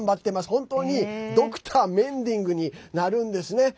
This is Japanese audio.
本当にドクターメンディングになるんですね。